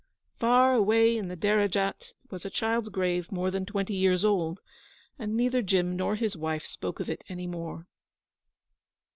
Far away in the Derajat was a child's grave more than twenty years old, and neither Jim nor his wife spoke of it any more.